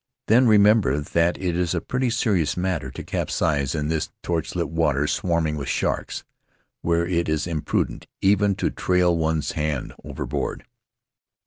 Then re member that it is a pretty serious matter to capsize in this torch lit water, swarming with sharks, where it is imprudent even to trail one's hand overboard.